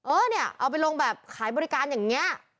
เออเนี่ยเอาไปลงแบบขายบริการอย่างนี้